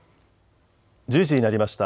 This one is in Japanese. １０時になりました。